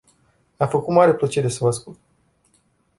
Mi-a făcut mare plăcere să vă ascult!